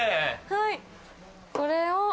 はいこれを。